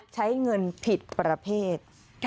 ใช้เงินผิดประเภท